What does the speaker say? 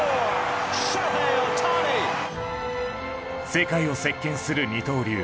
世界を席巻する二刀流